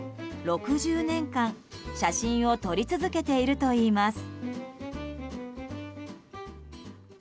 ６０年間、写真を撮り続けているといいます。